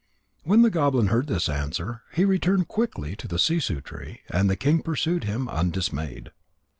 When the goblin heard this answer, he returned quickly to the sissoo tree. And the king pursued him, undismayed.